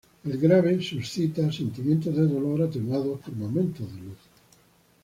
El Grave suscita sentimientos de dolor atenuados por momentos de luz.